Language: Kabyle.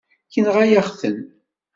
Yenɣa-yaɣ-ten.